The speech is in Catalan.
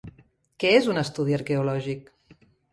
Què és un estudi arqueològic?